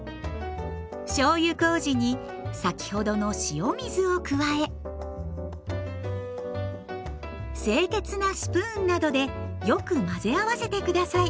しょうゆこうじに先ほどの塩水を加え清潔なスプーンなどでよく混ぜ合わせて下さい。